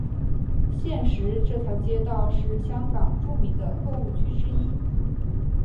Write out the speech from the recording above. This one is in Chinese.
现时这条街道是香港著名的购物区之一。